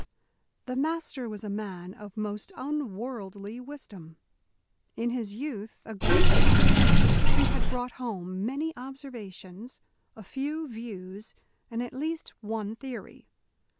The Master was a man of most unworldly wisdom. In his youth a great traveller, he had brought home many observations, a few views, and at least one theory.